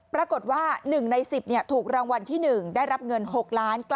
ปรากฏว่า๑ใน๑๐ถูกรางวัลที่๑ได้รับเงิน๖ล้าน